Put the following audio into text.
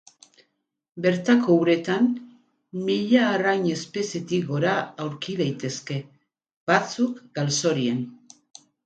Bertako uretan mila arrain espezietik gora aurki daitezke, batzuk galzorian.